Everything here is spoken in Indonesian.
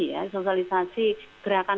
ya sosialisasi gerakan